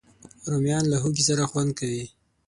رومیان له هوږې سره خوند کوي